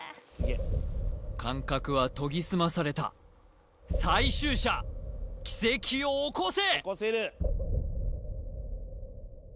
感覚は研ぎ澄まされた最終射奇跡を起こせ！